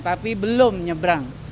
tapi belum nyebrang